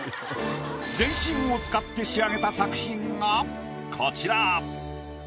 全身を使って仕上げた作品がこちら。